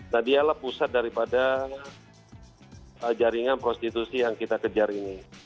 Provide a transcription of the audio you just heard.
nah dialah pusat daripada jaringan prostitusi yang kita kejar ini